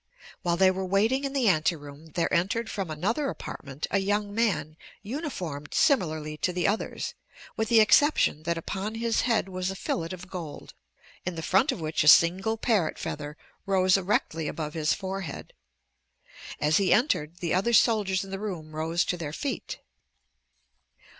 While they were waiting in the anteroom there entered from another apartment a young man uniformed similarly to the others with the exception that upon his head was a fillet of gold, in the front of which a single parrot feather rose erectly above his forehead. As he entered, the other soldiers in the room rose to their feet.